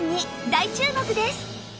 大注目です！